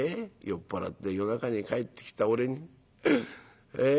酔っ払って夜中に帰ってきた俺にええ？